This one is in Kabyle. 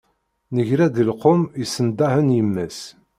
Negra-d di lqum, yessendahen yemma-s.